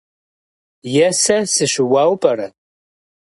Е сэ сыщыуэу пӏэрэ?